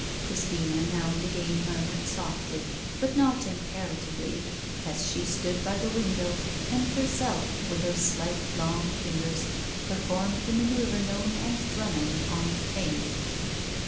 Christina now and again murmured softly but not imperatively, as she stood by the window and herself with her slight long fingers performed the manoeuvre known as drumming on the pane.